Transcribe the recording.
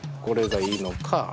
これがいいのか。